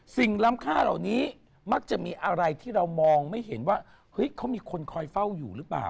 ล้ำค่าเหล่านี้มักจะมีอะไรที่เรามองไม่เห็นว่าเฮ้ยเขามีคนคอยเฝ้าอยู่หรือเปล่า